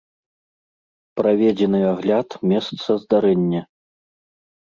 Праведзены агляд месца здарэння.